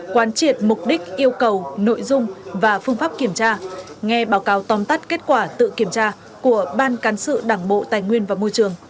quán triệt mục đích yêu cầu nội dung và phương pháp kiểm tra nghe báo cáo tóm tắt kết quả tự kiểm tra của ban cán sự đảng bộ tài nguyên và môi trường